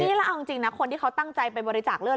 นี่แล้วเอาจริงนะคนที่เขาตั้งใจไปบริจาคเลือด